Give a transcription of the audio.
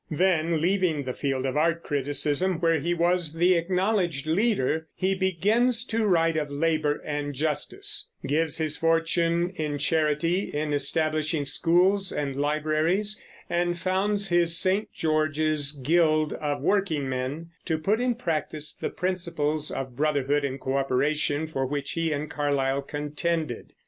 Then, leaving the field of art criticism, where he was the acknowledged leader, he begins to write of labor and justice; gives his fortune in charity, in establishing schools and libraries; and founds his St. George's Guild of workingmen, to put in practice the principles of brotherhood and cooperation for which he and Carlyle contended.